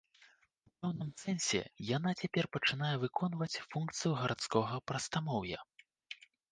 У пэўным сэнсе яна цяпер пачынае выконваць функцыю гарадскога прастамоўя.